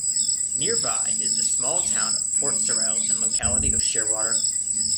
Nearby is the small town of Port Sorell and locality of Shearwater.